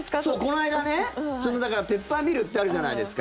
この間ね、だからペッパーミルってあるじゃないですか。